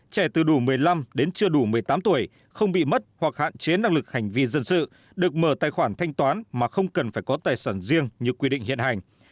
trẻ từ đủ một mươi năm đến chưa đủ một mươi tám tuổi không bị mất hoặc hạn chế năng lực hành vi dân sự được mở tài khoản thanh toán mà không cần phải có tài sản riêng như quy định hiện hành